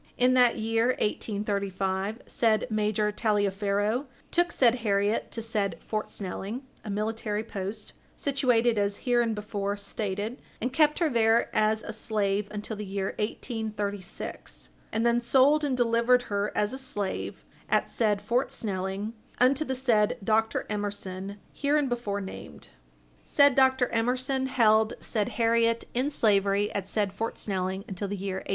In that year, 1835, said Major Taliaferro took said Harriet to said Fort Snelling, a military post, situated as hereinbefore stated, and kept her there as a slave until the year 1836, and then sold and delivered her as a slave, at said Fort Snelling, unto the said Dr. Emerson hereinbefore named. Said Dr. Emerson held said Harriet in slavery at said Fort Snelling until the year 1838.